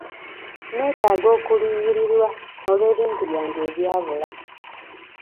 Neetaaga okuliyirirwa olw'ebintu byange ebyabula.